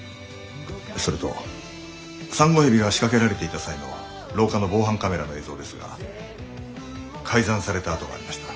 それとサンゴヘビが仕掛けられていた際の廊下の防犯カメラの映像ですが改ざんされた跡がありました。